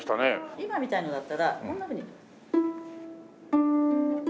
今みたいのだったらこんなふうに。